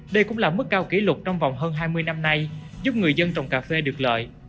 đây cũng là mức cao kỷ lục trong vòng hơn hai mươi năm nay giúp người dân trồng cà phê được lợi